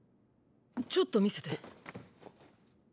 ちょっと見せて。